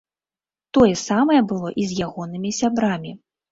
Тое самае было і з ягонымі сябрамі.